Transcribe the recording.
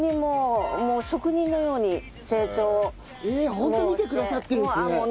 ホント見てくださってるんですね。